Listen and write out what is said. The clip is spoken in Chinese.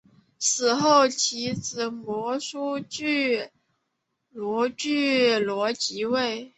死后其子摩醯逻矩罗即位。